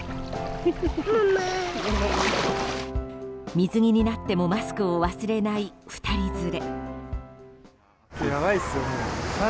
水着になってもマスクを忘れない２人連れ。